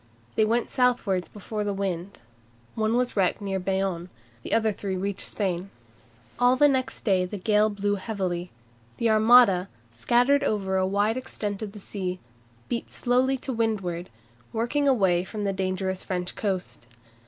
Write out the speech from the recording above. They went southwards before the wind. One was wrecked near Bayonne. The three others reached Spain. All next day the gale blew heavily. The Armada, scattered over a wide extent of sea, beat slowly to windward, working away from the dangerous French coast.